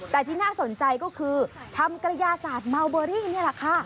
แต่ที่น่าสนใจก็คือทำกระยาศาสตร์เมาเบอรี่นี่แหละค่ะ